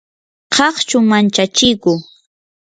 qaqchu manchachiku